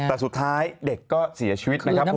แต่สุดท้ายเด็กก็เสียชีวิตนะครับ